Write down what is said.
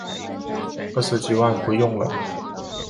二十几万不用了